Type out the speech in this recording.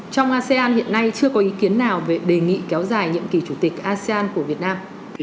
trong asean hiện nay chưa có ý kiến nào về đề nghị kéo dài nhiệm kỳ chủ tịch asean của việt nam